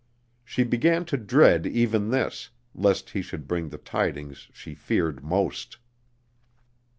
She began to dread even this, lest he should bring the tidings she feared most.